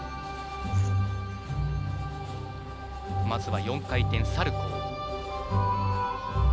まずは４回転サルコー。